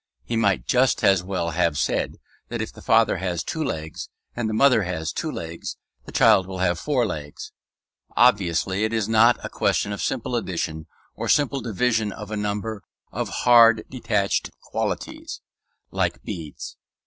He might just as well have said that if the father has two legs and the mother has two legs, the child will have four legs. Obviously it is not a question of simple addition or simple division of a number of hard detached "qualities," like beads.